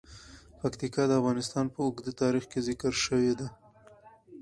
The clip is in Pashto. پکتیکا د افغانستان په اوږده تاریخ کې ذکر شوی دی.